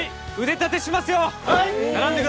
はい腕立てしますよ！